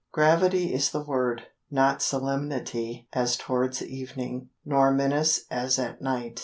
Gravity is the word not solemnity as towards evening, nor menace as at night.